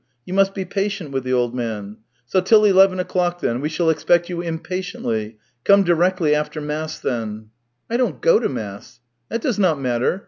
You must be patient with the old man. So till eleven o'clock, then. We shall expect you impatiently. Come directly after mass, then." " I don't go to mass." " That does not matter.